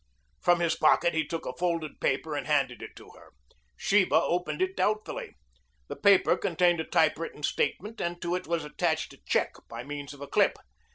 From his pocket he took a folded paper and handed it to her. Sheba opened it doubtfully. The paper contained a typewritten statement and to it was attached a check by means of a clip.